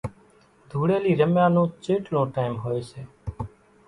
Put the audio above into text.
ڌوڙيلي رميا نون چيٽلون ٽيم ھوئي سي